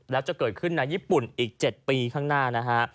แล้วจะเกิดขึ้นในญี่ปุ่นอีก๗ปีข้างหน้านะฮะ